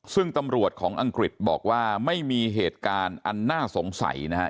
ซึ่งตำรวจของอังกฤษบอกว่าไม่มีเหตุการณ์อันน่าสงสัยนะครับ